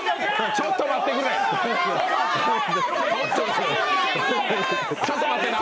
ちょっと待ってな。